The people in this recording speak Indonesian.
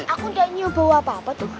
aku gak nyubu apa apa tuh